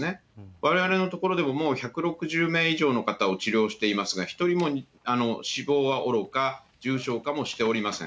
われわれの所でも、もう１６０名以上の方を治療していますが、１人も死亡はおろか、重症化もしておりません。